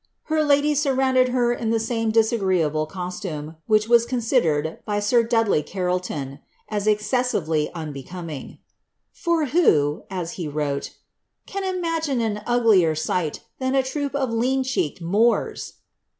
Her ladies surrounded her in the same disagreeable costume, which was considered, by sir Dudley Carleton, as excessively unbecoming ;^ for who,^' as he wrote, ^ can imagine an uglier sight than a troop of lean cheeked Moors